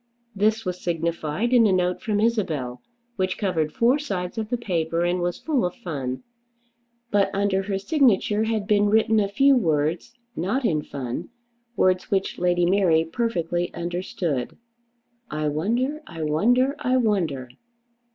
This was signified in a note from Isabel, which covered four sides of the paper and was full of fun. But under her signature had been written a few words, not in fun, words which Lady Mary perfectly understood. "I wonder, I wonder, I wonder!"